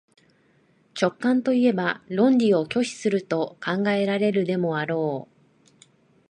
直観といえば論理を拒否すると考えられるでもあろう。